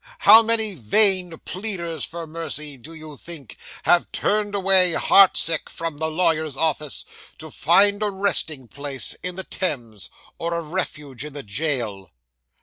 How many vain pleaders for mercy, do you think, have turned away heart sick from the lawyer's office, to find a resting place in the Thames, or a refuge in the jail?